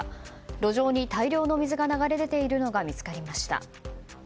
路上に大量の水が流れ出ているのが見つかりました。